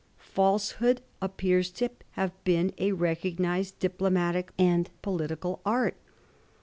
Falsehood appears to have been a recognised diplomatic and poli tical art.